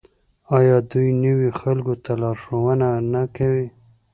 آیا دوی نویو خلکو ته لارښوونه نه کوي؟